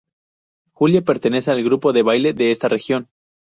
Julia pertenece al grupo de baile de esta región.